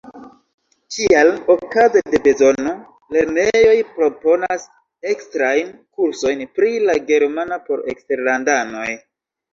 Tial, okaze de bezono, lernejoj proponas ekstrajn kursojn pri la germana por eksterlandanoj.